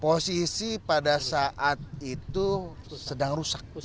posisi pada saat itu sedang rusak